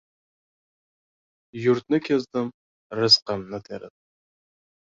Yurtni kezdim rizqimni terib.